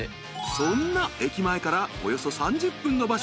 ［そんな駅前からおよそ３０分の場所に］